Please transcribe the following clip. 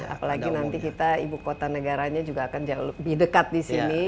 apalagi nanti kita ibu kota negaranya juga akan jauh lebih dekat di sini